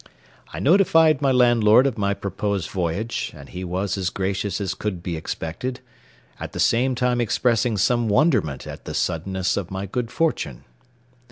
I notified my landlord of my proposed voyage, and he was as gracious as could be expected, at the same time expressing some wonderment at the suddenness of my good fortune.